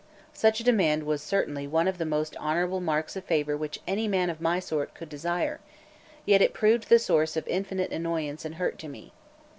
Such a demand was certainly one of the most honourable marks of favour which a man of my sort could desire; yet it proved the source of infinite annoyance and hurt to me.